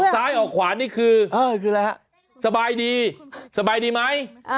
ออกซายออกขวานมันคือสบายดีสบายดีไหม